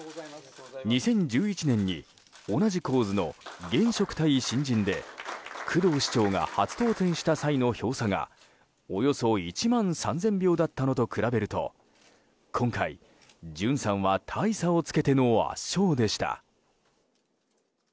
２０１１年に同じ構図の現職対新人で工藤市長が初当選した際の票差がおよそ１万３０００票だったのと比べると今回、潤さんは大差をつけての圧勝でした。